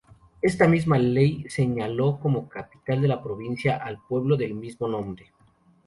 Está misma ley señaló como capital de la provincia al pueblo del mismo nombre.